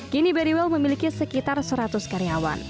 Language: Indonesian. kini berrywell memiliki sekitar seratus karyawan